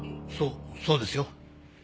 そそうですよ。